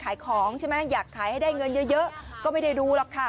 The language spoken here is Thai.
ขายของใช่ไหมอยากขายให้ได้เงินเยอะก็ไม่ได้ดูหรอกค่ะ